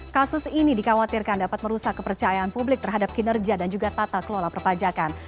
kasus ini dikhawatirkan dapat merusak kepercayaan publik terhadap kinerja dan juga tata kelola perpajakan